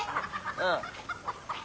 うん。